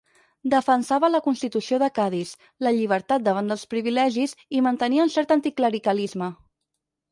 Defensava la Constitució de Cadis, la llibertat davant dels privilegis i mantenia un cert anticlericalisme.